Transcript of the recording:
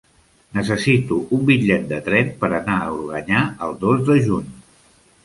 Necessito un bitllet de tren per anar a Organyà el dos de juny.